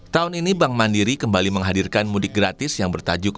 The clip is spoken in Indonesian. tahun ini bank mandiri kembali menghadirkan mudik gratis yang bertajuk